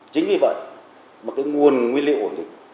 chính vì vậy một cái nguồn nguyên liệu ổn định